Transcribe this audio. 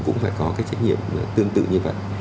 cũng phải có cái trách nhiệm tương tự như vậy